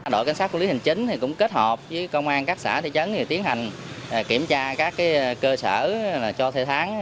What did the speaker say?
đội cảnh sát quản lý hình chính cũng kết hợp với công an các xã thị trấn tiến hành kiểm tra các cơ sở cho thuê tháng